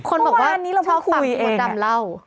คนบอกว่าเพราะวันนี้เราเพิ่งฟังบทดำเล่า